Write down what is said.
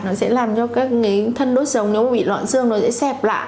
nó sẽ làm cho các cái thân đốt sống nếu mà bị loạn xương nó sẽ xẹp lại